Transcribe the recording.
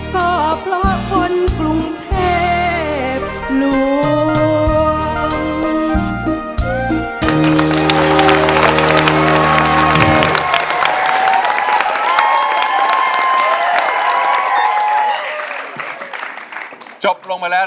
ก็เพราะคนกรุงเทพหลวง